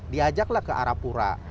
diajaklah ke arapura